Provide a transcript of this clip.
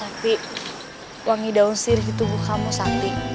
tapi wangi daun sirih di tubuh kamu sapi